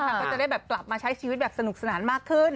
ก็จะได้แบบกลับมาใช้ชีวิตแบบสนุกสนานมากขึ้น